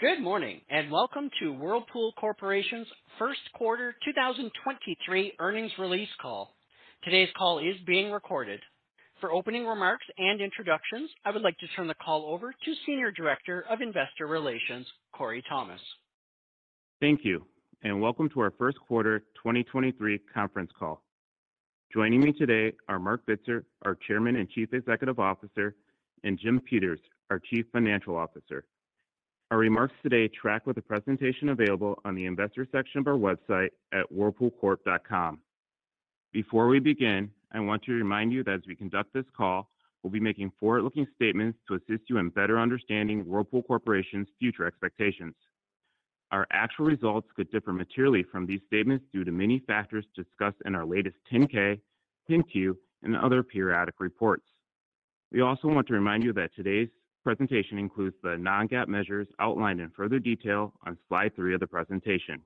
Good morning, and welcome to Whirlpool Corporation's first quarter 2023 earnings release call. Today's call is being recorded. For opening remarks and introductions, I would like to turn the call over to Senior Director of Investor Relations, Korey Thomas. Thank you. Welcome to our first quarter 2023 conference call. Joining me today are Marc Bitzer, our Chairman and Chief Executive Officer, and Jim Peters, our Chief Financial Officer. Our remarks today track with the presentation available on the investor section of our website at whirlpoolcorp.com. Before we begin, I want to remind you that as we conduct this call, we'll be making forward-looking statements to assist you in better understanding Whirlpool Corporation's future expectations. Our actual results could differ materially from these statements due to many factors discussed in our latest 10-K, 10-Q, and other periodic reports. We also want to remind you that today's presentation includes the non-GAAP measures outlined in further detail on slide three of the presentation.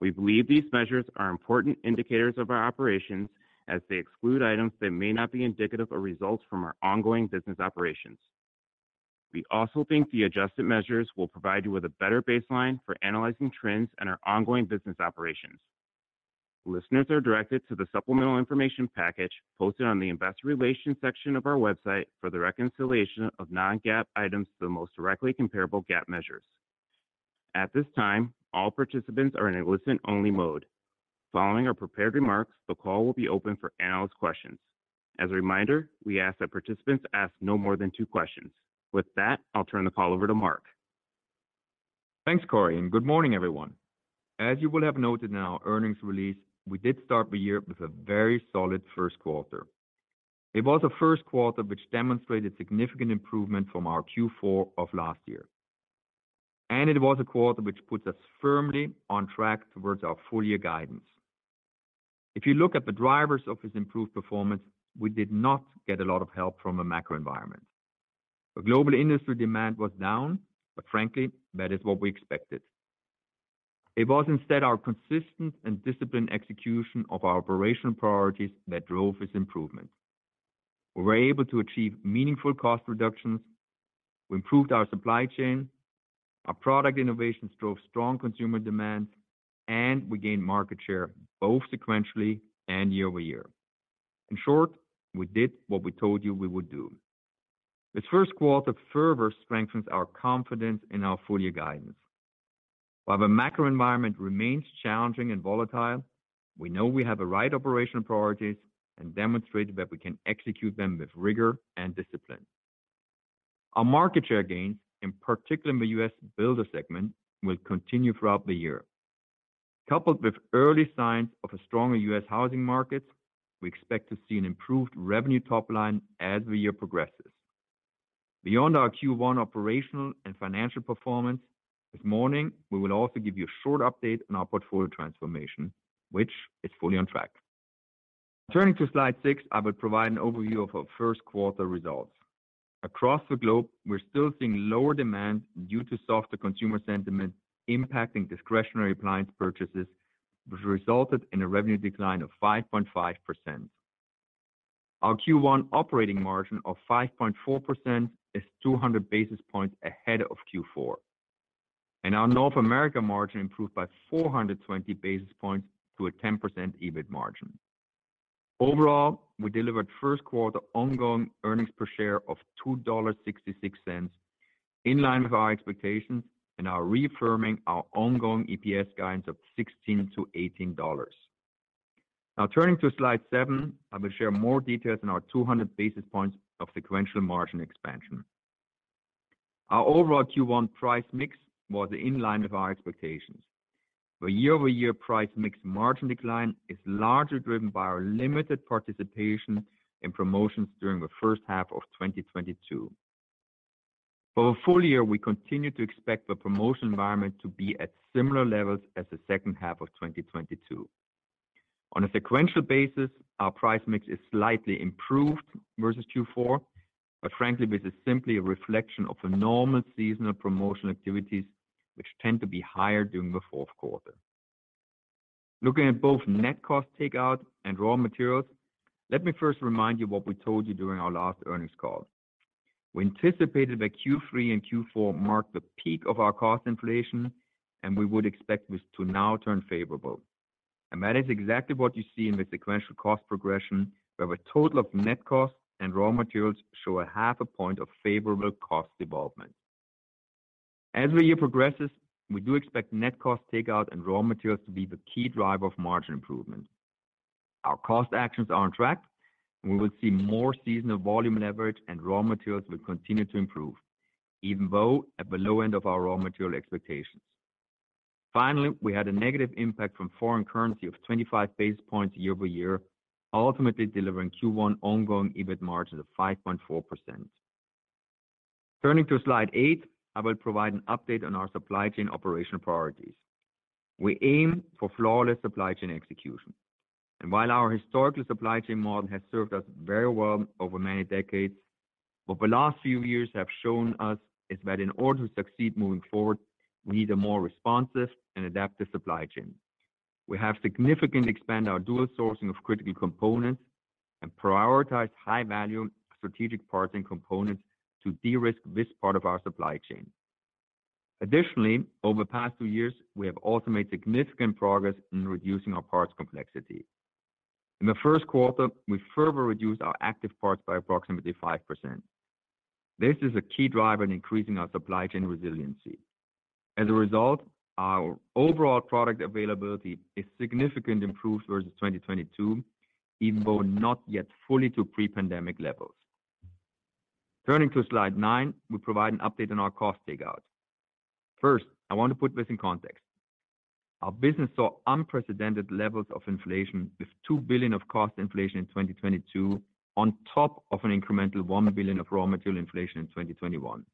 We believe these measures are important indicators of our operations as they exclude items that may not be indicative of results from our ongoing business operations. We also think the adjusted measures will provide you with a better baseline for analyzing trends in our ongoing business operations. Listeners are directed to the supplemental information package posted on the investor relations section of our website for the reconciliation of non-GAAP items to the most directly comparable GAAP measures. At this time, all participants are in a listen only mode. Following our prepared remarks, the call will be open for analyst questions. As a reminder, we ask that participants ask no more than two questions. With that, I'll turn the call over to Marc. Thanks, Korey, good morning, everyone. As you will have noted in our earnings release, we did start the year with a very solid first quarter. It was a first quarter which demonstrated significant improvement from our Q4 of last year. It was a quarter which puts us firmly on track towards our full year guidance. If you look at the drivers of this improved performance, we did not get a lot of help from a macro environment. The global industry demand was down, but frankly, that is what we expected. It was instead our consistent and disciplined execution of our operational priorities that drove this improvement. We were able to achieve meaningful cost reductions, we improved our supply chain, our product innovations drove strong consumer demand, and we gained market share both sequentially and year-over-year. In short, we did what we told you we would do. This first quarter further strengthens our confidence in our full year guidance. While the macro environment remains challenging and volatile, we know we have the right operational priorities and demonstrated that we can execute them with rigor and discipline. Our market share gains, in particular in the U.S. builder segment, will continue throughout the year. Coupled with early signs of a stronger U.S. housing market, we expect to see an improved revenue top line as the year progresses. Beyond our Q1 operational and financial performance this morning, we will also give you a short update on our portfolio transformation, which is fully on track. Turning to slide six, I will provide an overview of our first quarter results. Across the globe, we're still seeing lower demand due to softer consumer sentiment impacting discretionary appliance purchases, which resulted in a revenue decline of 5.5%. Our Q1 operating margin of 5.4% is 200 basis points ahead of Q4, and our North America margin improved by 420 basis points to a 10% EBIT margin. Overall, we delivered first quarter ongoing earnings per share of $2.66, in line with our expectations, and are reaffirming our ongoing EPS guidance of $16-$18. Now turning to slide seven, I will share more details on our 200 basis points of sequential margin expansion. Our overall Q1 price mix was in line with our expectations. The year-over-year price mix margin decline is largely driven by our limited participation in promotions during the first half of 2022. For the full year, we continue to expect the promotion environment to be at similar levels as the second half of 2022. On a sequential basis, our price mix is slightly improved versus Q4. Frankly, this is simply a reflection of the normal seasonal promotional activities which tend to be higher during the fourth quarter. Looking at both net cost takeout and raw materials, let me first remind you what we told you during our last earnings call. We anticipated that Q3 and Q4 marked the peak of our cost inflation, and we would expect this to now turn favorable. That is exactly what you see in the sequential cost progression, where the total of net costs and raw materials show a half a point of favorable cost development. As the year progresses, we do expect net cost takeout and raw materials to be the key driver of margin improvement. Our cost actions are on track. We will see more seasonal volume and average and raw materials will continue to improve, even though at the low end of our raw material expectations. Finally, we had a negative impact from foreign currency of 25 basis points year-over-year, ultimately Ongoing EBIT Margin of 5.4%. Turning to slide eight, I will provide an update on our supply chain operational priorities. We aim for flawless supply chain execution. While our historical supply chain model has served us very well over many decades, what the last few years have shown us is that in order to succeed moving forward, we need a more responsive and adaptive supply chain. We have significantly expanded our dual sourcing of critical components and prioritized high value strategic parts and components to de-risk this part of our supply chain. Additionally, over the past two years, we have also made significant progress in reducing our parts complexity. In the first quarter, we further reduced our active parts by approximately 5%. This is a key driver in increasing our supply chain resiliency. As a result, our overall product availability is significantly improved versus 2022, even though not yet fully to pre-pandemic levels. Turning to slide nine, we provide an update on our cost takeout. First, I want to put this in context. Our business saw unprecedented levels of inflation with $2 billion of cost inflation in 2022 on top of an incremental $1 billion of raw material inflation in 2021.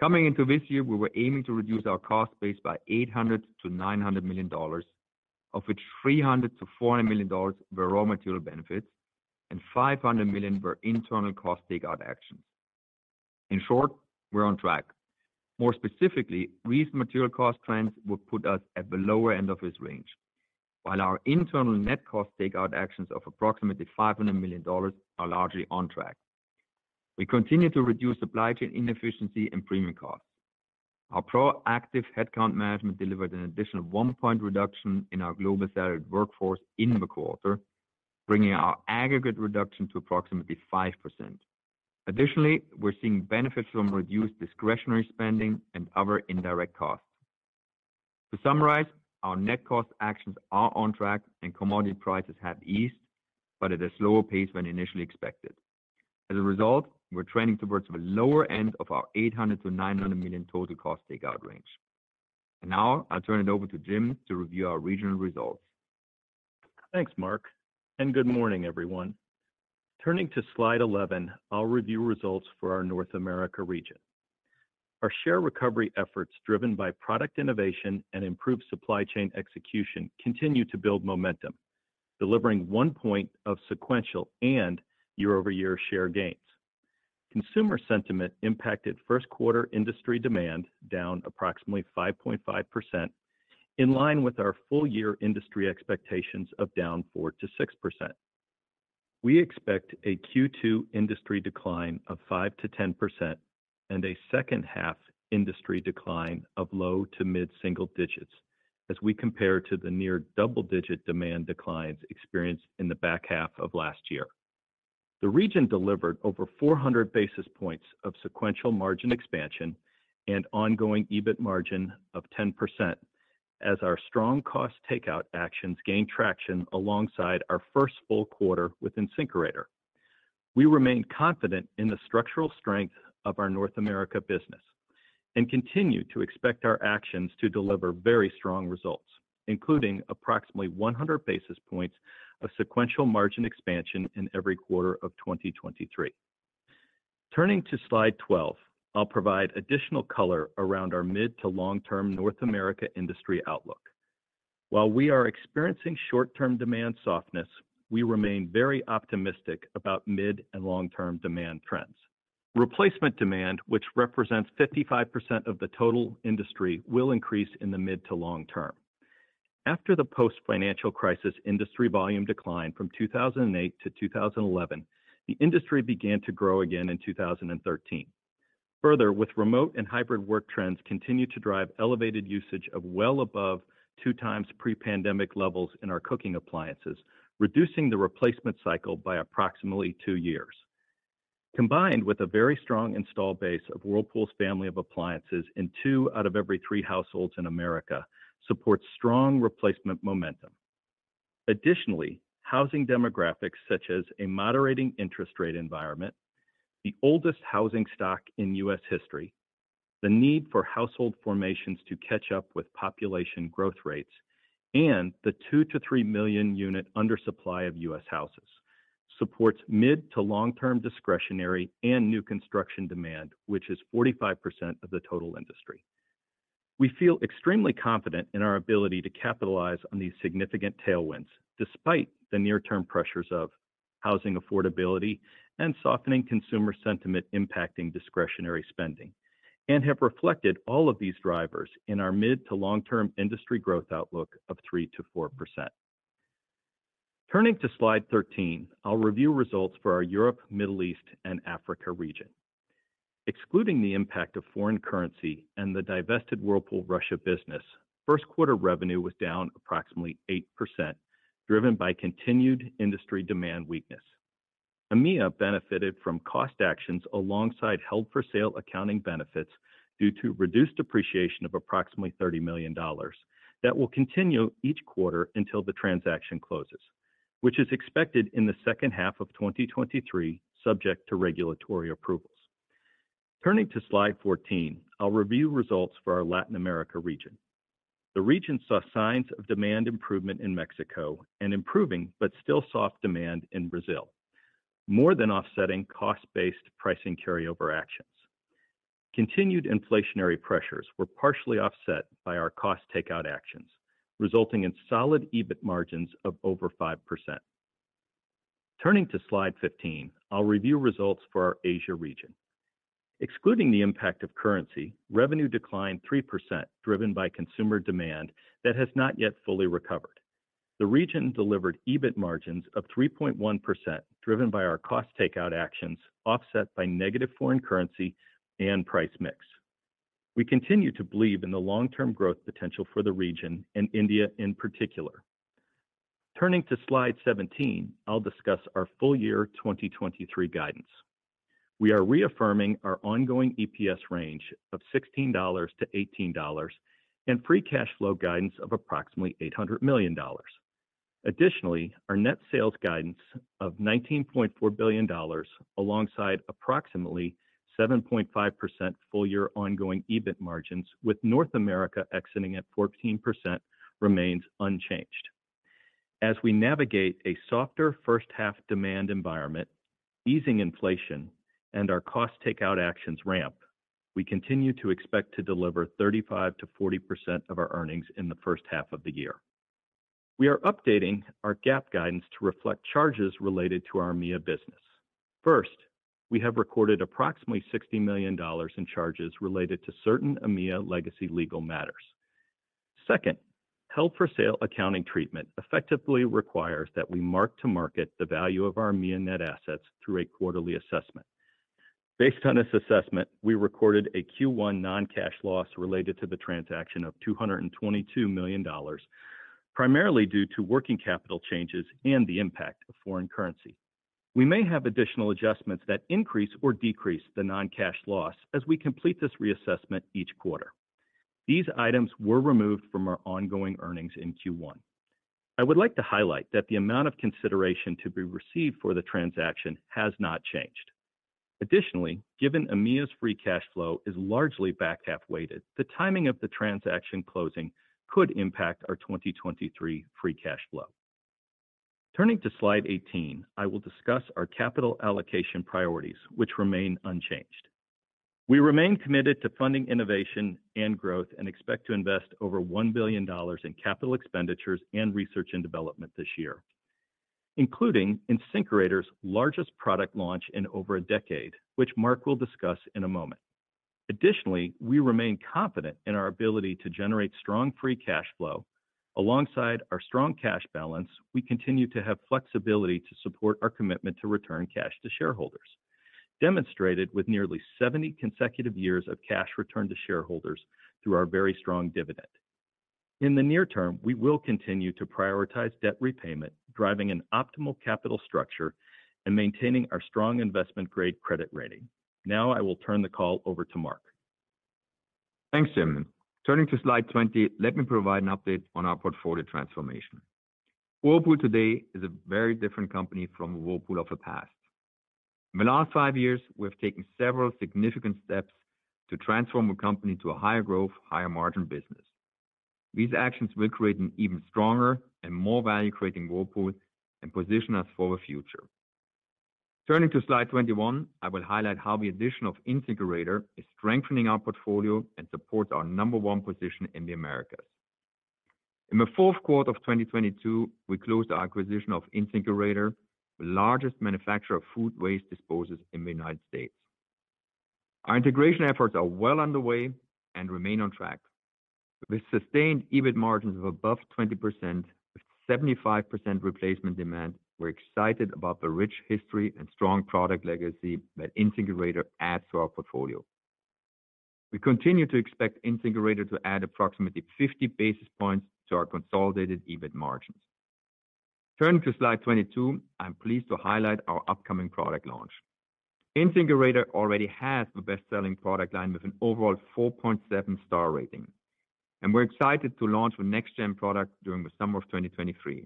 Coming into this year, we were aiming to reduce our cost base by $800 million-$900 million, of which $300 million-$400 million were raw material benefits and $500 million were internal cost takeout actions. In short, we're on track. More specifically, recent material cost trends will put us at the lower end of this range. While our internal net cost takeout actions of approximately $500 million are largely on track, we continue to reduce supply chain inefficiency and premium costs. Our proactive headcount management delivered an additional one point reduction in our global salaried workforce in the quarter, bringing our aggregate reduction to approximately 5%. Additionally, we're seeing benefits from reduced discretionary spending and other indirect costs. To summarize, our net cost actions are on track and commodity prices have eased, but at a slower pace than initially expected. As a result, we're trending towards the lower end of our $800 million-$900 million total cost takeout range. Now I'll turn it over to Jim to review our regional results. Thanks, Marc. Good morning, everyone. Turning to slide 11, I'll review results for our North America Region. Our share recovery efforts, driven by product innovation and improved supply chain execution, continue to build momentum, delivering one point of sequential and year-over-year share gains. Consumer sentiment impacted first quarter industry demand down approximately 5.5%, in line with our full year industry expectations of down 4%-6%. We expect a Q2 industry decline of 5%-10% and a second half industry decline of low to mid single digits as we compare to the near double-digit demand declines experienced in the back-half of last year. The region delivered over 400 basis points of sequential margin expansion and Ongoing EBIT Margin of 10% as our strong cost takeout actions gained traction alongside our first full quarter with InSinkErator. We remain confident in the structural strength of our North America business and continue to expect our actions to deliver very strong results, including approximately 100 basis points of sequential margin expansion in every quarter of 2023. Turning to slide 12, I'll provide additional color around our mid- to long-term North America industry outlook. While we are experiencing short-term demand softness, we remain very optimistic about mid and long-term demand trends. Replacement demand, which represents 55% of the total industry, will increase in the mid to long term. After the post-financial crisis industry volume declined from 2008 to 2011, the industry began to grow again in 2013. With remote and hybrid work trends continue to drive elevated usage of well above 2x pre-pandemic levels in our cooking appliances, reducing the replacement cycle by approximately two years. Combined with a very strong installed base of Whirlpool's family of appliances in two out of every three households in America supports strong replacement momentum. Additionally, housing demographics such as a moderating interest rate environment, the oldest housing stock in U.S. history, the need for household formations to catch up with population growth rates, and the 2 million-3 million unit undersupply of U.S. houses supports mid- to long-term discretionary and new construction demand, which is 45% of the total industry. We feel extremely confident in our ability to capitalize on these significant tailwinds, despite the near-term pressures of housing affordability and softening consumer sentiment impacting discretionary spending, and have reflected all of these drivers in our mid- to long-term industry growth outlook of 3%-4%. Turning to slide 13, I'll review results for our Europe, Middle East, and Africa Region. Excluding the impact of foreign currency and the divested Whirlpool Russia business, first quarter revenue was down approximately 8%, driven by continued industry demand weakness. EMEA benefited from cost actions alongside held-for-sale accounting benefits due to reduced depreciation of approximately $30 million. That will continue each quarter until the transaction closes, which is expected in the second half of 2023, subject to regulatory approvals. Turning to slide 14, I'll review results for our Latin America region. The region saw signs of demand improvement in Mexico and improving but still soft demand in Brazil, more than offsetting cost-based pricing carryover actions. Continued inflationary pressures were partially offset by our cost takeout actions, resulting in solid EBIT margins of over 5%. Turning to slide 15, I'll review results for our Asia region. Excluding the impact of currency, revenue declined 3%, driven by consumer demand that has not yet fully recovered. The region delivered EBIT margins of 3.1%, driven by our cost takeout actions, offset by negative foreign currency and price mix. We continue to believe in the long-term growth potential for the region and India in particular. Turning to slide 17, I'll discuss our full year 2023 guidance. We are reaffirming our ongoing EPS range of $16-$18 and free cash flow guidance of approximately $800 million. Our Net Sales guidance of $19.4 billion alongside approximately 7.5% full year Ongoing EBIT Margins with North America exiting at 14% remains unchanged. As we navigate a softer first half demand environment, easing inflation and our cost takeout actions ramp, we continue to expect to deliver 35%-40% of our earnings in the first half of the year. We are updating our GAAP guidance to reflect charges related to our EMEA business. First, we have recorded approximately $60 million in charges related to certain EMEA legacy legal matters. Second, held-for-sale accounting treatment effectively requires that we mark-to-market the value of our EMEA net assets through a quarterly assessment. Based on this assessment, we recorded a Q1 Non-Cash Loss related to the transaction of $222 million, primarily due to working capital changes and the impact of foreign currency. We may have additional adjustments that increase or decrease the Non-Cash Loss as we complete this reassessment each quarter. These items were removed from our ongoing earnings in Q1. I would like to highlight that the amount of consideration to be received for the transaction has not changed. Additionally, given EMEA's free cash flow is largely back-half weighted, the timing of the transaction closing could impact our 2023 free cash flow. Turning to slide 18, I will discuss our capital allocation priorities, which remain unchanged. We remain committed to funding innovation and growth and expect to invest over $1 billion in Capital Expenditures and Research & Development this year, including InSinkErator's largest product launch in over a decade, which Marc will discuss in a moment. Additionally, we remain confident in our ability to generate strong free cash flow. Alongside our strong cash balance, we continue to have flexibility to support our commitment to return cash to shareholders, demonstrated with nearly 70 consecutive years of cash returned to shareholders through our very strong dividend. In the near term, we will continue to prioritize debt repayment, driving an optimal capital structure, and maintaining our strong investment-grade credit rating. Now I will turn the call over to Marc. Thanks, Jim. Turning to slide 20, let me provide an update on our portfolio transformation. Whirlpool today is a very different company from Whirlpool of the past. In the last five years, we have taken several significant steps to transform the company to a higher growth, higher margin business. These actions will create an even stronger and more value-creating Whirlpool and position us for the future. Turning to slide 21, I will highlight how the addition of InSinkErator is strengthening our portfolio and supports our number one position in the Americas. In the fourth quarter of 2022, we closed our acquisition of InSinkErator, the largest manufacturer of food waste disposers in the United States. Our integration efforts are well underway and remain on track. With sustained EBIT margins of above 20%, with 75% replacement demand, we're excited about the rich history and strong product legacy that InSinkErator adds to our portfolio. We continue to expect InSinkErator to add approximately 50 basis points to our consolidated EBIT margins. Turning to slide 22, I'm pleased to highlight our upcoming product launch. InSinkErator already has the best-selling product line with an overall 4.7 star rating. We're excited to launch the next gen product during the summer of 2023.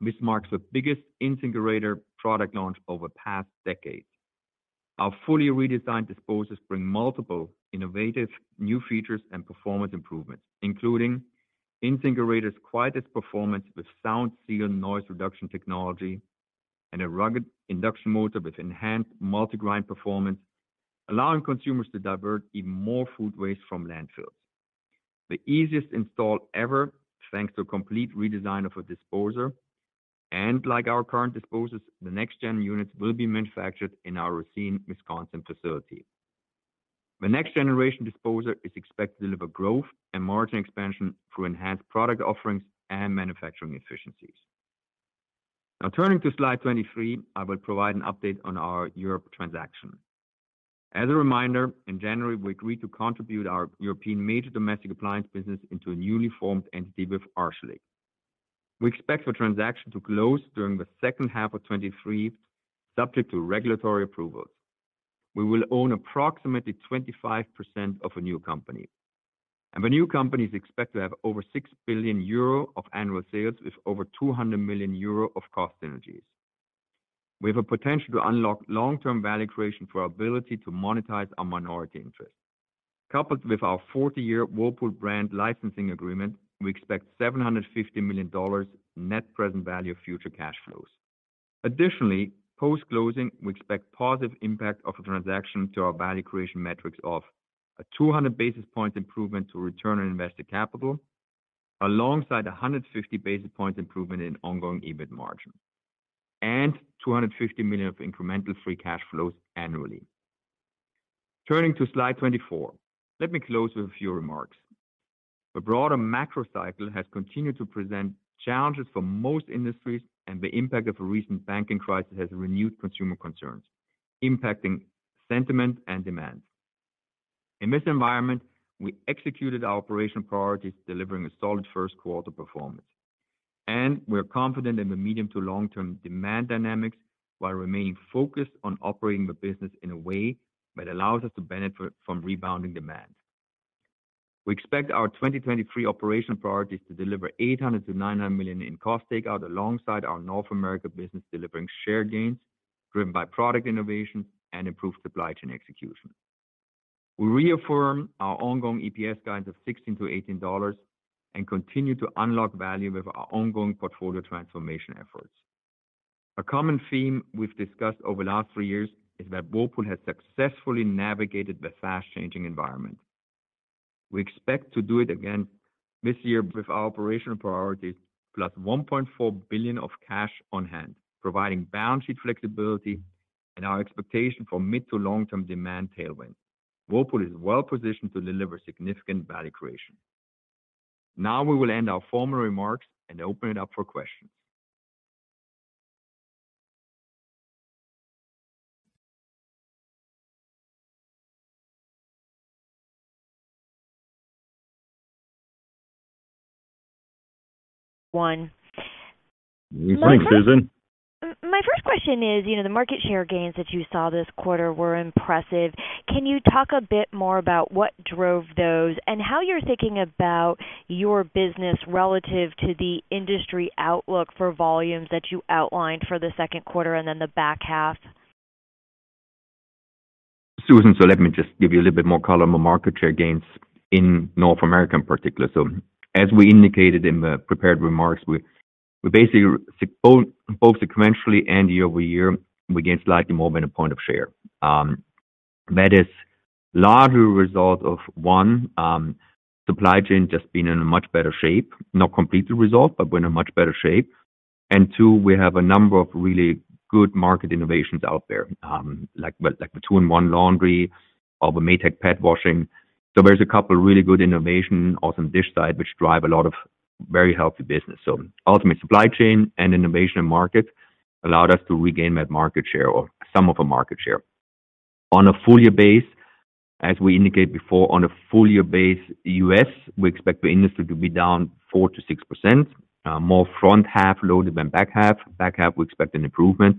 This marks the biggest InSinkErator product launch over the past decade. Our fully redesigned disposers bring multiple innovative new features and performance improvements, including InSinkErator's quietest performance with SoundSeal noise reduction technology and a rugged induction motor with enhanced MultiGrind performance, allowing consumers to divert even more food waste from landfills. The easiest install ever, thanks to a complete redesign of a disposer, like our current disposers, the next gen units will be manufactured in our Racine, Wisconsin facility. The next generation disposer is expected to deliver growth and margin expansion through enhanced product offerings and manufacturing efficiencies. Turning to slide 23, I will provide an update on our Europe transaction. As a reminder, in January, we agreed to contribute our European major domestic appliance business into a newly formed entity with Arçelik. We expect the transaction to close during the second half of 2023, subject to regulatory approvals. We will own approximately 25% of a new company, the new company is expected to have over 6 billion euro of annual sales with over 200 million euro of cost synergies. We have a potential to unlock long-term value creation for our ability to monetize our minority interest. Coupled with our 40-year Whirlpool brand licensing agreement, we expect $750 million net present value of future cash flows. Post-closing, we expect positive impact of the transaction to our value creation metrics of a 200 basis point improvement to Return on Invested Capital. A 150 basis points improvement in Ongoing EBIT Margin and $250 million of incremental Free Cash Flows annually. Turning to slide 24, let me close with a few remarks. The broader macro cycle has continued to present challenges for most industries. The impact of a recent banking crisis has renewed consumer concerns, impacting sentiment and demand. In this environment, we executed our operational priorities, delivering a solid first quarter performance, and we are confident in the medium to long-term demand dynamics while remaining focused on operating the business in a way that allows us to benefit from rebounding demand. We expect our 2023 operational priorities to deliver $800 million-$900 million in cost takeout alongside our North America business, delivering share gains driven by product innovation and improved supply chain execution. We reaffirm our ongoing EPS guidance of $16-$18 and continue to unlock value with our ongoing portfolio transformation efforts. A common theme we've discussed over the last three years is that Whirlpool has successfully navigated the fast-changing environment. We expect to do it again this year with our operational priorities, plus $1.4 billion of cash on hand, providing balance sheet flexibility and our expectation for mid- to long-term demand tailwind. Whirlpool is well-positioned to deliver significant value creation. We will end our formal remarks and open it up for questions. One. Good morning, Susan. My first question is, you know, the market share gains that you saw this quarter were impressive. Can you talk a bit more about what drove those and how you're thinking about your business relative to the industry outlook for volumes that you outlined for the second quarter and then the back-half? Susan, let me just give you a little bit more color on the market share gains in North America in particular. As we indicated in the prepared remarks, we basically both sequentially and year-over-year, we gained slightly more than 1 point of share. That is largely a result of: One, supply chain just being in a much better shape. Not completely resolved, but we're in a much better shape. Two, we have a number of really good market innovations out there, like, well, like the 2-in-1 laundry or the Maytag pet washing. There's a couple really good innovation on some dish side which drive a lot of very healthy business. Ultimate supply chain and innovation in market allowed us to regain that market share or some of the market share. On a full year base, as we indicated before, on a full year base U.S., we expect the industry to be down 4% to 6%, more front half loaded than back-half. back-half, we expect an improvement.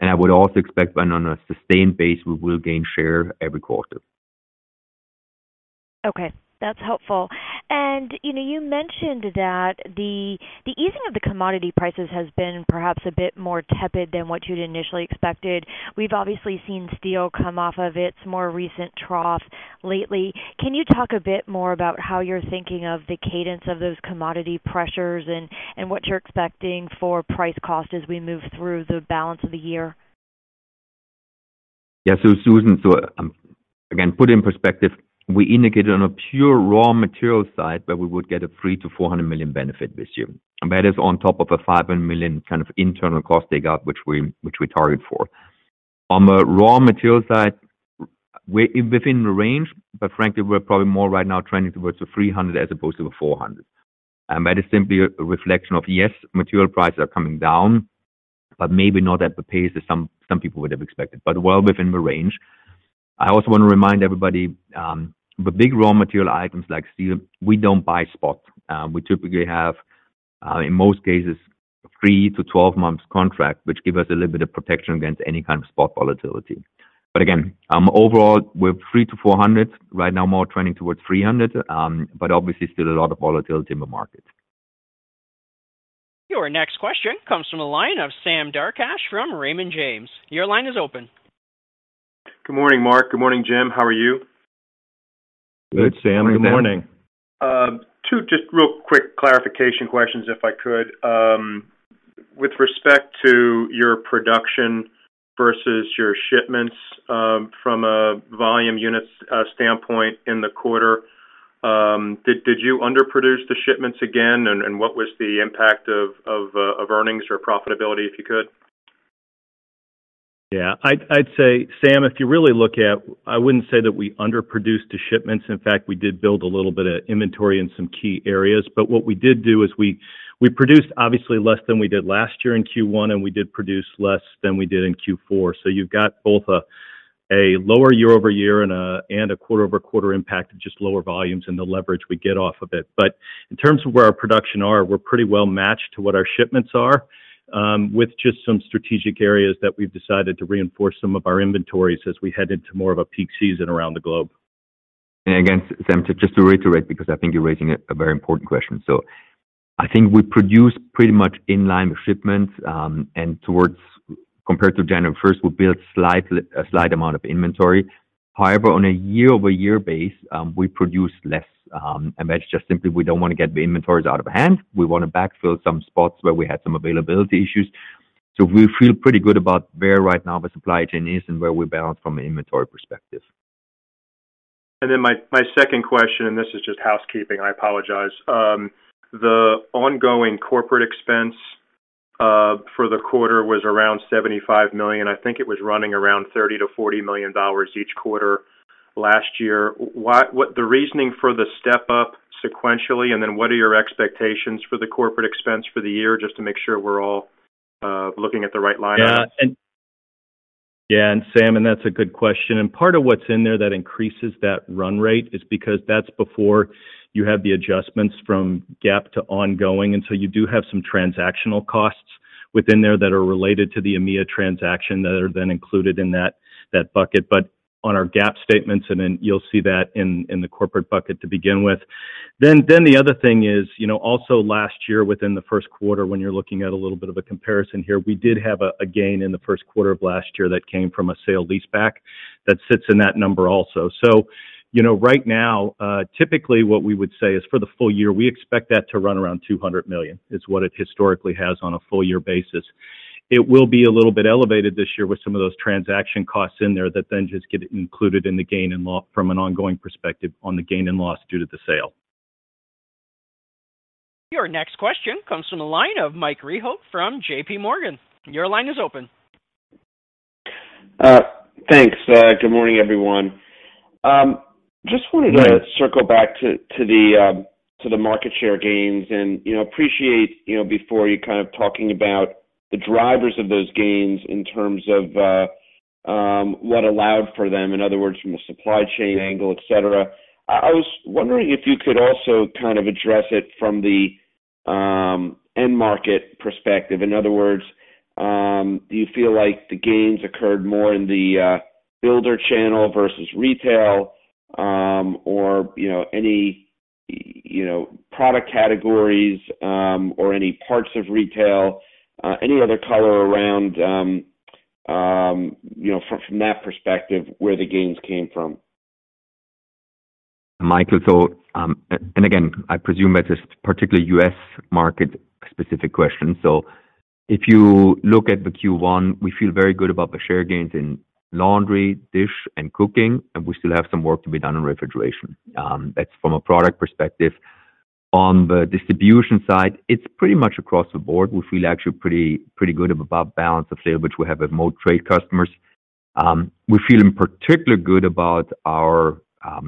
I would also expect that on a sustained base, we will gain share every quarter. Okay, that's helpful. You know, you mentioned that the easing of the commodity prices has been perhaps a bit more tepid than what you'd initially expected. We've obviously seen steel come off of its more recent trough lately. Can you talk a bit more about how you're thinking of the cadence of those commodity pressures and what you're expecting for price cost as we move through the balance of the year? Susan, again, put in perspective, we indicated on a pure raw material side that we would get a $300 million-$400 million benefit this year. That is on top of a $500 million kind of internal cost takeout, which we target for. On the raw material side, within the range, but frankly, we're probably more right now trending towards the $300 million as opposed to the $400 million. That is simply a reflection of, yes, material prices are coming down, but maybe not at the pace that some people would have expected, but well within the range. I also wanna remind everybody, the big raw material items like steel, we don't buy spot. We typically have, in most cases, three to 12 months contract, which give us a little bit of protection against any kind of spot volatility. Overall, we're 300-400 right now, more trending towards 300, but obviously still a lot of volatility in the market. Your next question comes from the line of Sam Darkatsh from Raymond James. Your line is open. Good morning, Marc. Good morning, Jim. How are you? Good, Sam. Good morning. Morning, Sam. Two just real quick clarification questions, if I could. With respect to your production versus your shipments, from a volume units standpoint in the quarter, did you underproduce the shipments again? What was the impact of earnings or profitability, if you could? Yeah. I'd say, Sam, if you really look at, I wouldn't say that we underproduced the shipments. In fact, we did build a little bit of inventory in some key areas. What we did do is we produced obviously less than we did last year in Q1, and we did produce less than we did in Q4. You've got both a lower year-over-year and a quarter-over-quarter impact of just lower volumes and the leverage we get off of it. In terms of where our production are, we're pretty well matched to what our shipments are, with just some strategic areas that we've decided to reinforce some of our inventories as we head into more of a peak season around the globe. Again, Sam, just to reiterate, because I think you're raising a very important question. I think we produce pretty much in line with shipments, and compared to January 1st, we built a slight amount of inventory. On a year-over-year base, we produced less, and that's just simply we don't want to get the inventories out of hand. We wanna backfill some spots where we had some availability issues. We feel pretty good about where right now the supply chain is and where we balance from an inventory perspective. My, my second question, and this is just housekeeping, I apologize. The ongoing corporate expense for the quarter was around $75 million. I think it was running around $30 million-$40 million each quarter last year. What the reasoning for the step-up sequentially, and then what are your expectations for the corporate expense for the year, just to make sure we're all looking at the right line items? Yeah. Sam, that's a good question. Part of what's in there that increases that run rate is because that's before you have the adjustments from GAAP to ongoing. You do have some transactional costs within there that are related to the EMEA transaction that are then included in that bucket. On our GAAP statements, you'll see that in the corporate bucket to begin with. The other thing is, you know, also last year within the first quarter, when you're looking at a little bit of a comparison here, we did have a gain in the first quarter of last year that came from a sale-leaseback that sits in that number also. You know, right now, typically what we would say is for the full year, we expect that to run around $200 million, is what it historically has on a full year basis. It will be a little bit elevated this year with some of those transaction costs in there that then just get included in the gain and loss from an ongoing perspective on the gain and loss due to the sale. Your next question comes from the line of Mike Rehaut from JPMorgan. Your line is open. Thanks. Good morning, everyone. Just wanted to circle back to the market share gains and, you know, appreciate, you know, before you kind of talking about the drivers of those gains in terms of what allowed for them, in other words, from a supply chain angle, et cetera. I was wondering if you could also kind of address it from the end market perspective. In other words, do you feel like the gains occurred more in the builder channel versus retail, or, you know, any, you know, product categories, or any parts of retail, any other color around, you know, from that perspective where the gains came from? Michael, and again, I presume that's a particularly U.S. market-specific question. If you look at the Q1, we feel very good about the share gains in laundry, dish, and cooking, and we still have some work to be done in refrigeration. That's from a product perspective. On the distribution side, it's pretty much across the board. We feel actually pretty good about balance of sale, which we have with more trade customers. We feel in particular good about our,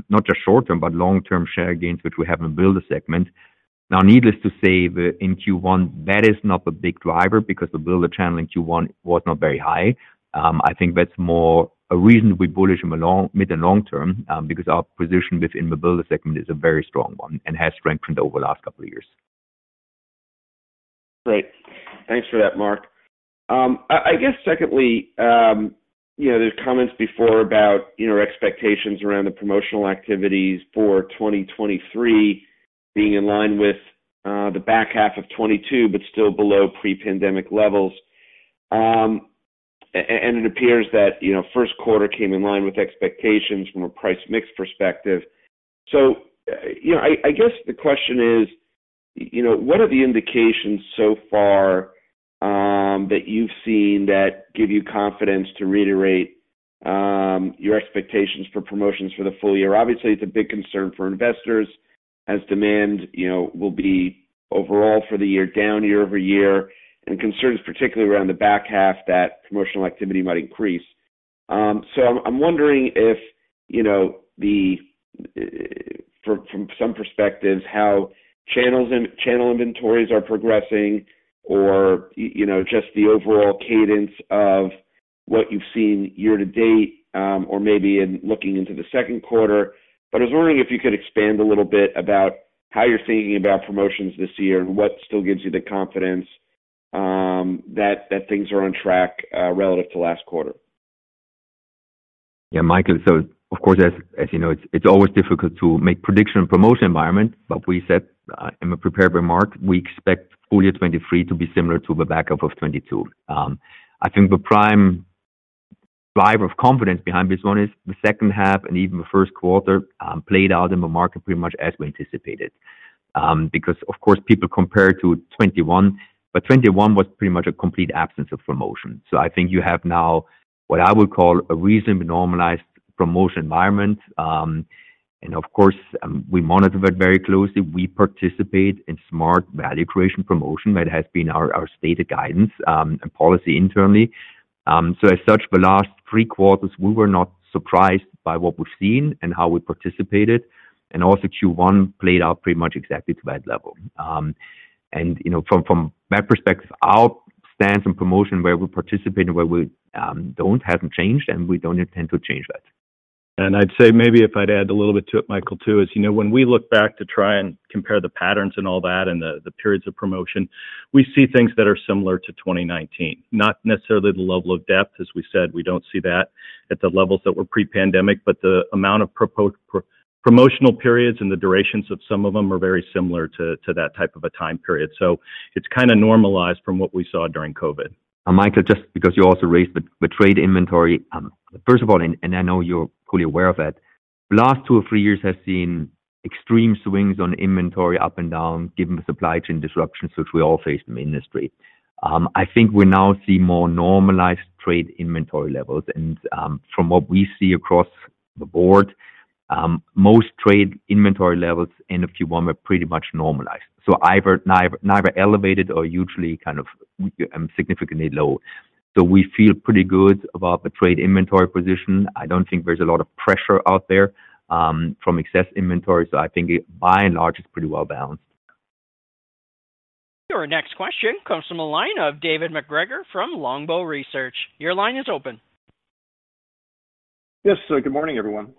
not just short-term, but long-term share gains, which we have in builder segment. Needless to say, in Q1, that is not the big driver because the builder channel in Q1 was not very high. I think that's more a reason we're bullish in the mid-and long-term, because our position within the builder segment is a very strong one and has strengthened over the last couple of years. Great. Thanks for that, Marc. I guess secondly, you know, there's comments before about, you know, expectations around the promotional activities for 2023 being in line with the back-half of 2022 but still below pre-pandemic levels. It appears that, you know, first quarter came in line with expectations from a price mix perspective. You know, I guess the question is, you know, what are the indications so far that you've seen that give you confidence to reiterate your expectations for promotions for the full year? Obviously, it's a big concern for investors as demand, you know, will be overall for the year down year-over-year and concerns, particularly around the back-half, that promotional activity might increase. I'm wondering if, you know, the, from some perspectives, how channels and channel inventories are progressing or, you know, just the overall cadence of what you've seen year to date, or maybe in looking into the second quarter? I was wondering if you could expand a little bit about how you're thinking about promotions this year and what still gives you the confidence, that things are on track, relative to last quarter? Yeah, Michael. Of course, as you know, it's always difficult to make prediction in promotion environment. We said in the prepared remark, we expect full year 2023 to be similar to the backup of 2022. I think the prime driver of confidence behind this one is the second half and even the first quarter played out in the market pretty much as we anticipated. Because of course, people compare to 2021, but 2021 was pretty much a complete absence of promotion. I think you have now what I would call a reasonably normalized promotion environment. Of course, we monitor that very closely. We participate in smart value creation promotion. That has been our stated guidance and policy internally. As such, the last 3 quarters, we were not surprised by what we've seen and how we participated. Q1 played out pretty much exactly to that level. You know, from that perspective, our stance and promotion where we participate and where we don't, hasn't changed, and we don't intend to change that. I'd say maybe if I'd add a little bit to it, Michael, too, is, you know, when we look back to try and compare the patterns and all that and the periods of promotion, we see things that are similar to 2019. Not necessarily the level of depth, as we said, we don't see that at the levels that were pre-pandemic, but the amount of promotional periods and the durations of some of them are very similar to that type of a time period. So it's kinda normalized from what we saw during COVID. Michael, just because you also raised the trade inventory. First of all, I know you're fully aware of it, the last two or three years have seen extreme swings on inventory up and down, given the supply chain disruptions which we all face in the industry. I think we now see more normalized trade inventory levels. From what we see across the board, most trade inventory levels in Q1 were pretty much normalized. Neither elevated or usually kind of significantly low. We feel pretty good about the trade inventory position. I don't think there's a lot of pressure out there from excess inventory, so I think by and large it's pretty well-balanced. Your next question comes from the line of David MacGregor from Longbow Research. Your line is open. Yes. good morning, everyone.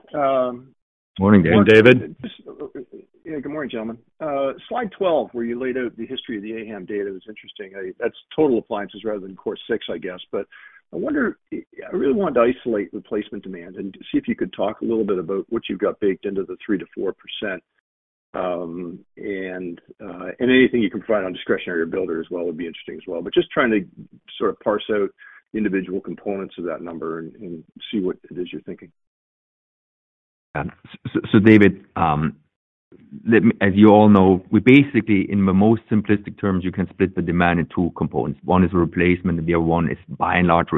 Morning, David. Good morning, gentlemen. slide 12, where you laid out the history of the AHAM data was interesting. That's total appliances rather than core six, I guess. I really wanted to isolate replacement demand and see if you could talk a little bit about what you've got baked into the 3%-4%, and anything you can find on discretionary or builder as well would be interesting as well. Just trying to sort of parse out individual components of that number and see what it is you're thinking. Yeah. David, as you all know, we basically, in the most simplistic terms, you can split the demand in two components. One is replacement and the other one is by and large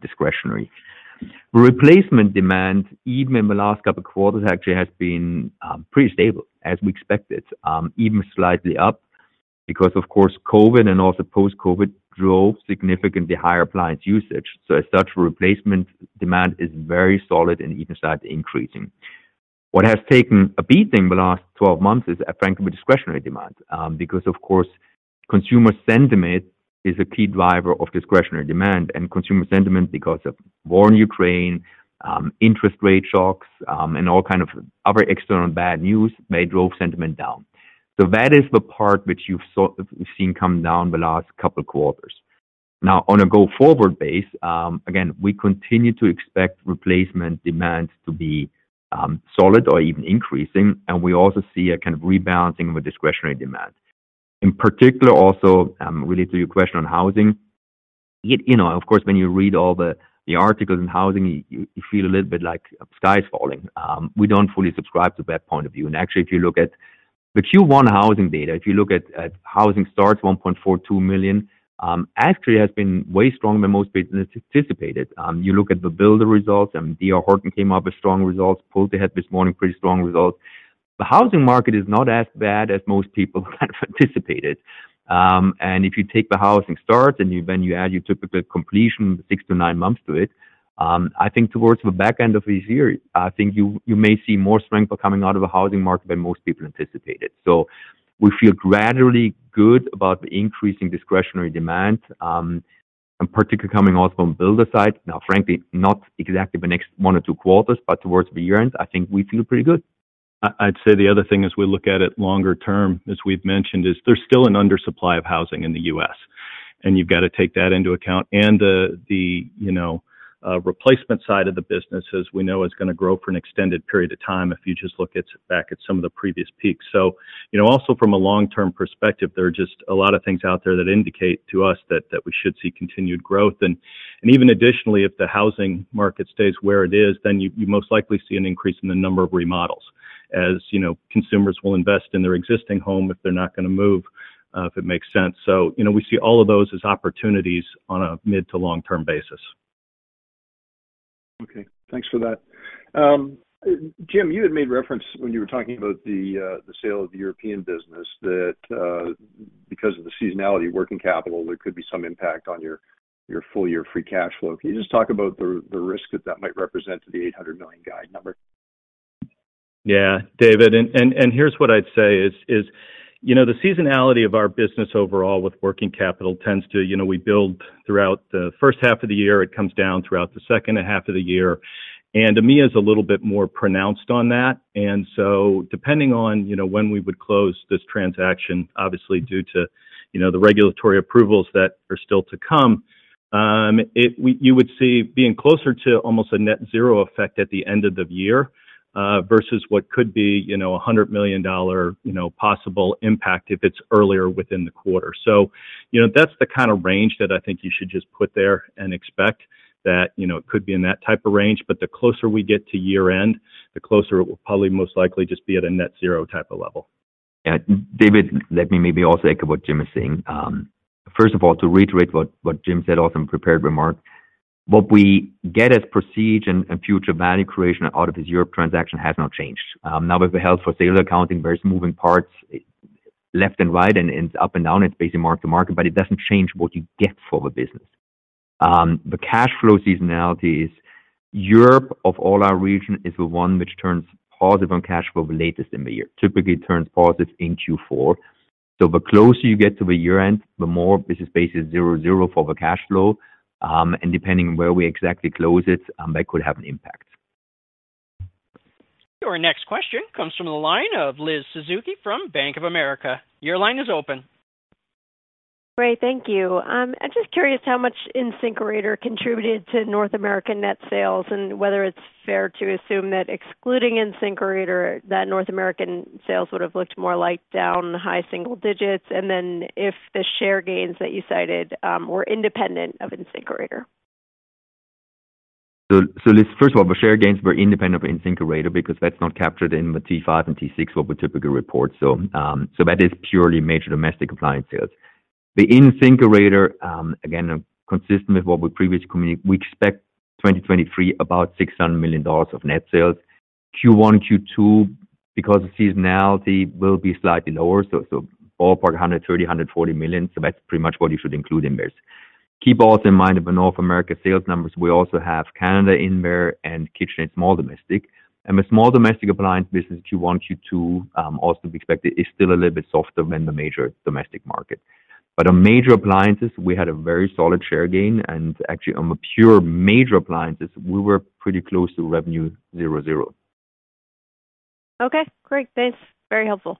discretionary. Replacement demand, even in the last couple quarters, actually has been pretty stable as we expected, even slightly up because of course COVID and also post-COVID drove significantly higher appliance usage. As such, replacement demand is very solid and even started increasing. What has taken a beating in the last 12 months is frankly discretionary demand, because of course consumer sentiment is a key driver of discretionary demand and consumer sentiment because of war in Ukraine, interest rate shocks, and all kind of other external bad news may drove sentiment down. That is the part which you've sort of seen come down the last couple quarters. On a go-forward base, again, we continue to expect replacement demand to be solid or even increasing, and we also see a kind of rebalancing of the discretionary demand. In particular also, related to your question on housing, you know, of course, when you read all the articles in housing, you feel a little bit like the sky's falling. We don't fully subscribe to that point of view. Actually, if you look at the Q1 housing data, if you look at housing starts, 1.42 million, actually has been way stronger than most anticipated. You look at the builder results, and D.R. Horton came up with strong results. PulteGroup had this morning pretty strong results. The housing market is not as bad as most people had anticipated. If you take the housing starts and then you add your typical completion of six-nine months to it, I think towards the back end of this year, I think you may see more strength coming out of the housing market than most people anticipated. We feel gradually good about the increasing discretionary demand, and particularly coming also from builder side. Frankly, not exactly the next one or two quarters, but towards the year-end, I think we feel pretty good. I'd say the other thing as we look at it longer term, as we've mentioned, is there's still an undersupply of housing in the U.S., and you've got to take that into account. The, you know, replacement side of the business, as we know, is gonna grow for an extended period of time if you just look back at some of the previous peaks. You know, also from a long-term perspective, there are just a lot of things out there that indicate to us that we should see continued growth. Even additionally, if the housing market stays where it is, then you most likely see an increase in the number of remodels. As, you know, consumers will invest in their existing home if they're not gonna move if it makes sense. You know, we see all of those as opportunities on a mid- to long-term basis. Okay. Thanks for that. Jim, you had made reference when you were talking about the sale of the European business that, because of the seasonality of working capital, there could be some impact on your full year Free Cash Flow. Can you just talk about the risk that that might represent to the $800 million guide number? David, here's what I'd say, you know, the seasonality of our business overall with working capital tends to, you know, we build throughout the first half of the year. It comes down throughout the second half of the year. EMEA is a little bit more pronounced on that. Depending on, you know, when we would close this transaction, obviously due to, you know, the regulatory approvals that are still to come, you would see being closer to almost a net zero effect at the end of the year versus what could be, you know, a $100 million, you know, possible impact if it's earlier within the quarter. You know, that's the kind of range that I think you should just put there and expect that, you know, it could be in that type of range. The closer we get to year-end, the closer it will probably most likely just be at a net zero type of level. Yeah. David, let me maybe also echo what Jim is saying. First of all, to reiterate what Jim said also in prepared remark, what we get as proceed and future value creation out of this Europe transaction has not changed. Now with the held-for-sale accounting, there's moving parts left and right and up and down. It's basically market to market, but it doesn't change what you get for the business. The cash flow seasonality is Europe of all our region is the one which turns positive on cash flow the latest in the year. Typically turns positive in Q4. The closer you get to the year-end, the more business base is zero-zero for the cash flow. Depending on where we exactly close it, that could have an impact. Our next question comes from the line of Liz Suzuki from Bank of America. Your line is open. Ray, thank you. I'm just curious how much InSinkErator contributed to North American Net Sales and whether it's fair to assume that excluding InSinkErator, that North American sales would have looked more like down high single digits. If the share gains that you cited, were independent of InSinkErator? Liz, first of all, the share gains were independent of InSinkErator because that's not captured in the T5 and T6, what we typically report. That is purely major domestic appliance sales. The InSinkErator, again, consistent with what we previously we expect 2023 about $600 million of Net Sales. Q1 and Q2, because of seasonality, will be slightly lower, so ballpark $130 million-$140 million. That's pretty much what you should include in this. Keep also in mind the North America sales numbers, we also have Canada in there and KitchenAid small domestic. The small domestic appliance business, Q1, Q2, also we expect it is still a little bit softer than the major domestic market. On major appliances, we had a very solid share gain and actually on the pure major appliances, we were pretty close to revenue 0. Okay, great. Thanks. Very helpful.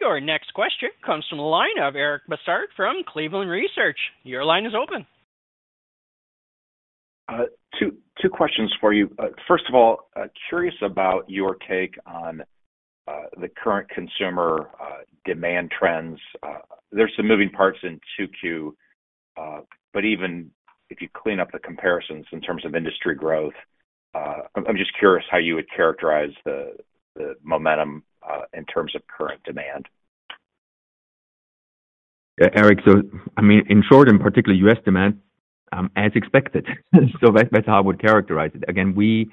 Your next question comes from the line of Eric Bosshard from Cleveland Research Company. Your line is open. Two questions for you. First of all, curious about your take on the current consumer demand trends. There's some moving parts in 2Q, but even if you clean up the comparisons in terms of industry growth, I'm just curious how you would characterize the momentum in terms of current demand? I mean, in short, in particular, U.S. demand, as expected. That's how I would characterize it. Again, we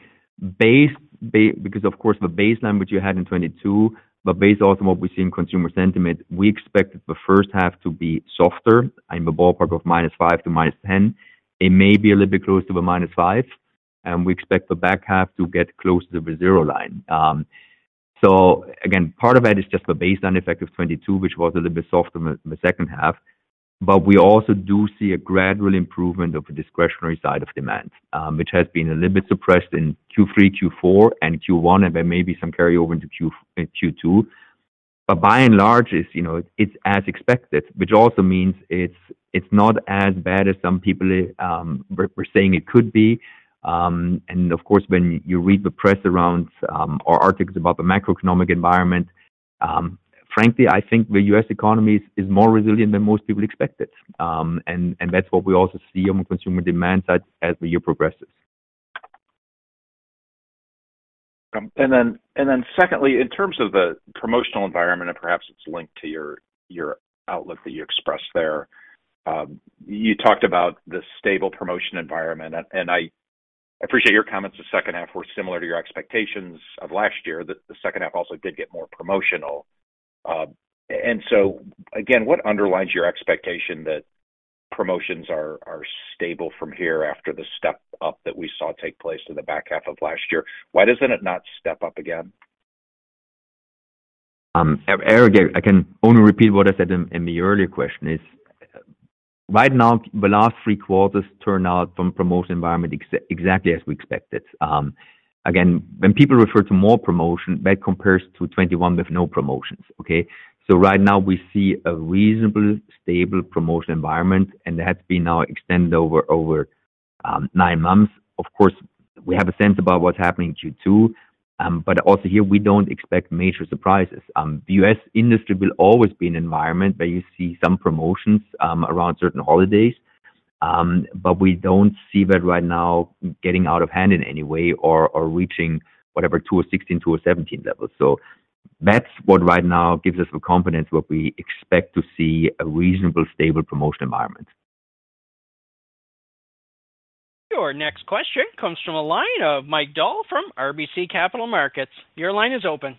base because of course the baseline which you had in 22, but based also on what we see in consumer sentiment, we expect the first half to be softer in the ballpark of -5% to -10%. It may be a little bit close to the -5%, we expect the back-half to get close to the zero line. Again, part of that is just the baseline effect of 22, which was a little bit softer in the second half. We also do see a gradual improvement of the discretionary side of demand, which has been a little bit suppressed in Q3, Q4 and Q1, there may be some carryover into Q2. By and large, it's, you know, it's as expected, which also means it's not as bad as some people we're saying it could be. Of course, when you read the press around or articles about the macroeconomic environment, frankly, I think the U.S. economy is more resilient than most people expected. That's what we also see on the consumer demand side as the year progresses. Secondly, in terms of the promotional environment, perhaps it's linked to your outlook that you expressed there. You talked about the stable promotion environment, I appreciate your comments. The second half were similar to your expectations of last year, that the second half also did get more promotional. What underlines your expectation that promotions are stable from here after the step up that we saw take place in the back-half of last year? Why doesn't it not step up again? Eric, I can only repeat what I said in the earlier question is, right now, the last three quarters turned out from promotion environment exactly as we expected. Again, when people refer to more promotion, that compares to 2021 with no promotions, okay? Right now we see a reasonable stable promotion environment, and that's been now extended over nine months. Of course, we have a sense about what's happening in Q2, but also here we don't expect major surprises. The U.S. industry will always be an environment where you see some promotions around certain holidays. But we don't see that right now getting out of hand in any way or reaching whatever 2016, 2017 levels. That's what right now gives us the confidence what we expect to see a reasonable stable promotion environment. Your next question comes from a line of Mike Dahl from RBC Capital Markets. Your line is open.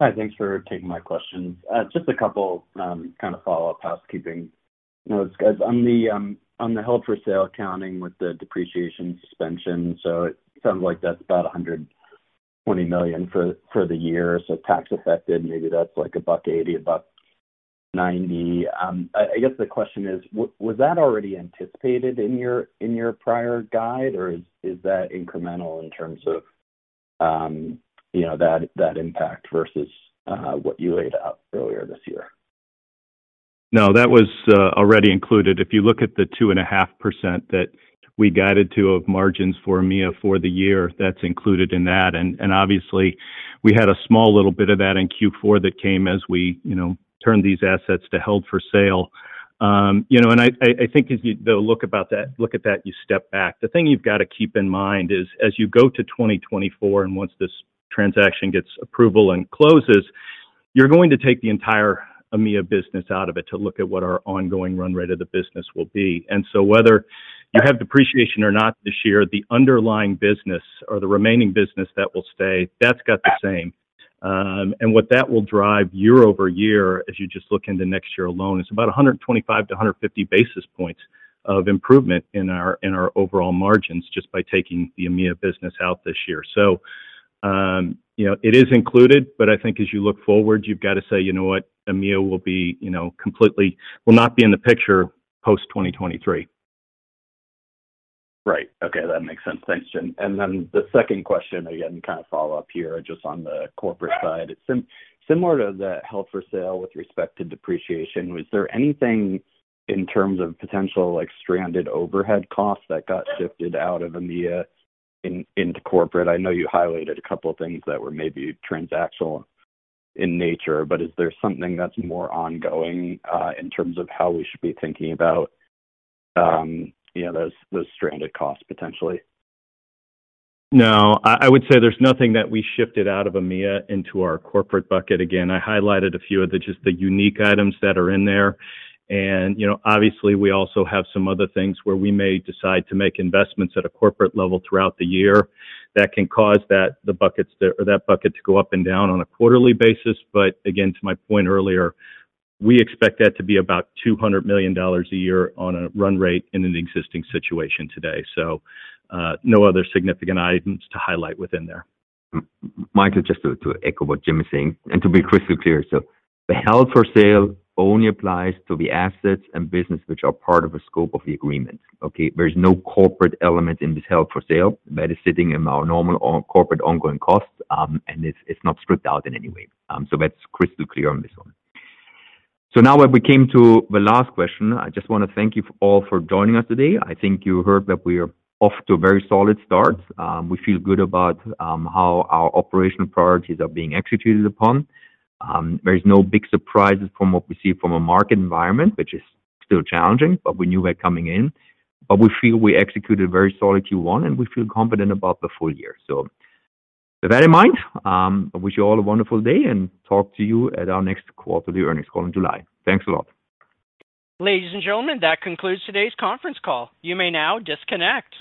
Hi. Thanks for taking my questions. just a couple, kind of follow-up housekeeping notes. Guys, on the held-for-sale accounting with the depreciation suspension. It sounds like that's about $120 million for the year. Tax affected, maybe that's like $1.80, $1.90. I guess the question is: Was that already anticipated in your prior guide, or is that incremental in terms of, you know, that impact versus what you laid out earlier this year? No, that was already included. If you look at the 2.5% that we guided to of margins for EMEA for the year, that's included in that. Obviously we had a small little bit of that in Q4 that came as we, you know, turned these assets to held-for-sale. You know, and I think as you look at that, you step back. The thing you've got to keep in mind is as you go to 2024 and once this transaction gets approval and closes, you're going to take the entire EMEA business out of it to look at what our ongoing run rate of the business will be. Whether you have depreciation or not this year, the underlying business or the remaining business that will stay, that's got the same. What that will drive year-over-year, as you just look into next year alone, is about 125 to 150 basis points of improvement in our, in our overall margins just by taking the EMEA business out this year. It is included, but I think as you look forward, you've got to say, "You know what? EMEA will be, completely will not be in the picture post 2023. Right. Okay. That makes sense. Thanks, Jim. The second question again, kind of follow up here, just on the corporate side. Similar to the held-for-sale with respect to depreciation, was there anything in terms of potential like stranded overhead costs that got shifted out of EMEA into corporate? I know you highlighted a couple of things that were maybe transactional in nature, but is there something that's more ongoing in terms of how we should be thinking about, you know, those stranded costs potentially? No, I would say there's nothing that we shifted out of EMEA into our corporate bucket. Again, I highlighted a few of the just the unique items that are in there. You know, obviously we also have some other things where we may decide to make investments at a corporate level throughout the year that can cause that, the buckets or that bucket to go up and down on a quarterly basis. Again, to my point earlier, we expect that to be about $200 million a year on a run rate in an existing situation today. No other significant items to highlight within there. Michael, just to echo what Jim is saying and to be crystal clear. The held-for-sale only applies to the assets and business which are part of the scope of the agreement, okay? There is no corporate element in this held-for-sale that is sitting in our normal or corporate ongoing costs, and it's not stripped out in any way. So that's crystal clear on this one. Now that we came to the last question, I just wanna thank you for all for joining us today. I think you heard that we are off to a very solid start. We feel good about how our operational priorities are being executed upon. There is no big surprises from what we see from a market environment, which is still challenging, but we knew that coming in. We feel we executed a very solid Q1, and we feel confident about the full year. With that in mind, I wish you all a wonderful day and talk to you at our next quarterly earnings call in July. Thanks a lot. Ladies and gentlemen, that concludes today's conference call. You may now disconnect.